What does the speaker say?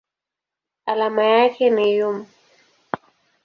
Alama yake ni µm.